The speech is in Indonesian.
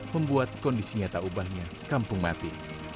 membuat kondisi nyata ubahnya kampung mati